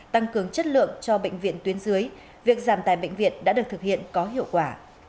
tăng cường chất lượng cho bệnh viện tuyến dưới việc giảm tài bệnh viện đã được thực hiện có hiệu quả